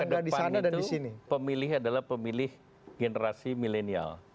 karena ke depan itu pemilih adalah pemilih generasi milenial